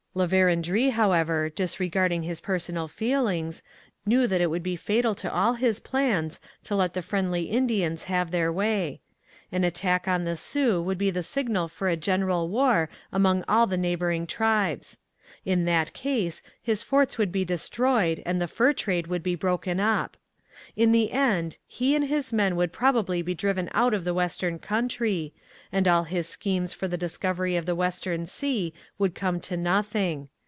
La Vérendrye, however, disregarding his personal feelings, knew that it would be fatal to all his plans to let the friendly Indians have their way. An attack on the Sioux would be the signal for a general war among all the neighbouring tribes. In that case his forts would be destroyed and the fur trade would be broken up. In the end, he and his men would probably be driven out of the western country, and all his schemes for the discovery of the Western Sea would come to nothing.